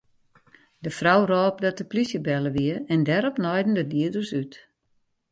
De frou rôp dat de polysje belle wie en dêrop naaiden de dieders út.